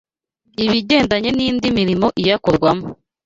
Ibigendanye n’indi mirimo iyakorwamo